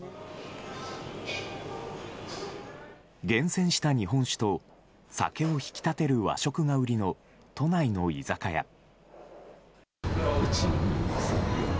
厳選した日本酒と酒を引き立てる和食が売りの都内の居酒屋。